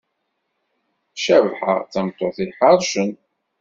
Cabḥa d tameṭṭut iḥercen.